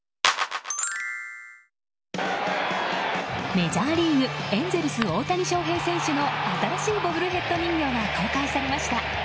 メジャーリーグエンゼルス大谷翔平選手の新しいボブルヘッド人形が公開されました。